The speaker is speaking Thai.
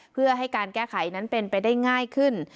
เพื่อให้การแก้ไขนั้นเป็นไปได้ง่ายขึ้น